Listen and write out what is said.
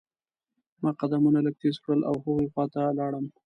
ما قدمونه لږ تیز کړل او هغوی خوا ته لاړم.